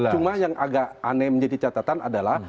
cuma yang agak aneh menjadi catatan adalah